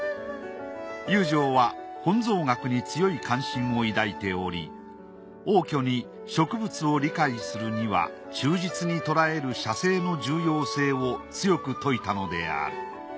祐常は本草学に強い関心を抱いており応挙に植物を理解するには忠実に捉える写生の重要性を強く説いたのである。